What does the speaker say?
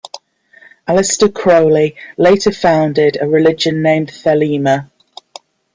Aleister Crowley later founded a religion named Thelema.